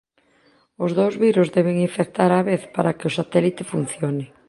Os dous virus deben infectar á vez para que o satélite funcione.